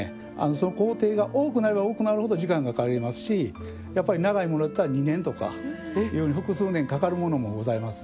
その工程が多くなれば多くなるほど時間がかかりますしやっぱり長いものだったら２年とかいうふうに複数年かかるものもございます。